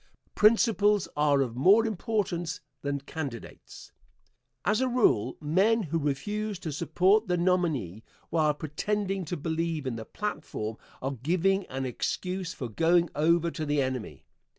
Principles are of more importance than candidates. As a rule, men who refuse to support the nominee, while pretending to believe in the platform, are giving an excuse for going over to the enemy.